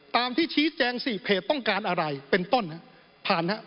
ตามที่ชี้แจง๔เพจต้องการอะไรเป็นต้นฮะผ่านครับ